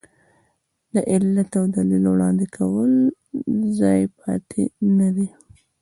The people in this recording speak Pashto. د علت او دلیل وړاندې کولو ځای پاتې نه دی.